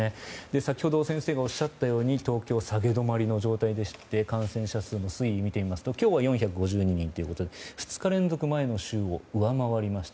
先ほど先生がおっしゃったように東京は下げ止まりの状態でして感染者数の推移を見てみますと今日は４５２人で２日連続前の週を上回りました。